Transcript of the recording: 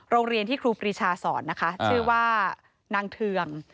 โรงเรียนที่ครูปรีชาสอนนะคะชื่อว่านางเทือง